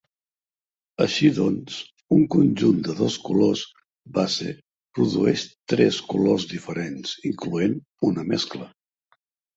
Així doncs, un conjunt de dos colors base produeix tres colors diferents, incloent una mescla.